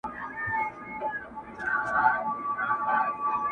له کم اصلو ګلو ډک دي په وطن کي شنه باغونه.!